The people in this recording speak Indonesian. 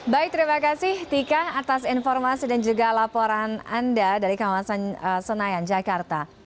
baik terima kasih tika atas informasi dan juga laporan anda dari kawasan senayan jakarta